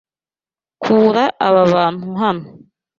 Kura aba bantu hano.